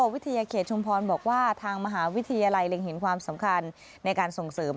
วิทยาเขตชุมพรบอกว่าทางมหาวิทยาลัยเล็งเห็นความสำคัญในการส่งเสริม